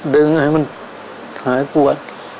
ดึงให้มันหายปวด